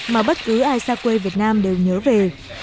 mà bất cứ ai xa quê việt nam đều nhớ về